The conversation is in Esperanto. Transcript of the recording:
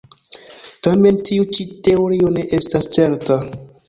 Tamen tiu ĉi teorio ne estas certa.